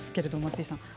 松井さん。